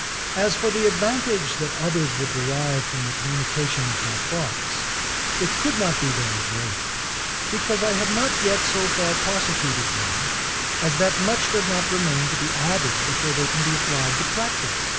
As for the advantage that others would derive from the communication of my thoughts, it could not be very great; because I have not yet so far prosecuted them as that much does not remain to be added before they can be applied to practice.